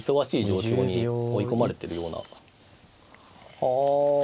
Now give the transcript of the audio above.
はあ。